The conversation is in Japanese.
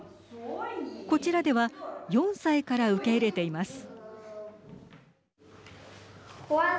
こちらでは４歳から受け入れています。